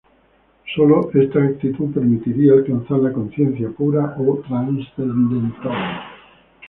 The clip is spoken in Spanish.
Sólo esta actitud permitiría alcanzar la conciencia pura o transcendental.